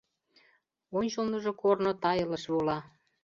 Ончылныжо корно тайылыш вола.